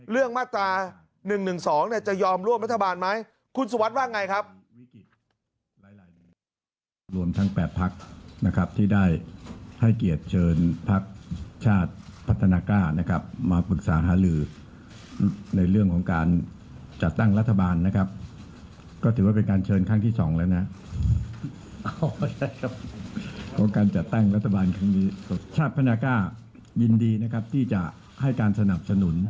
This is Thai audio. เรื่องมาตรา๑๑๒เนี่ยจะยอมร่วมรัฐบาลไหมคุณสวัสดิ์ว่าไงครับ